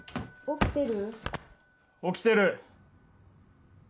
起きてる。